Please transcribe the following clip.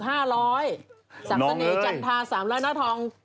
ศักดิ์เสน่ห์จันทา๓๐๐หน้าทอง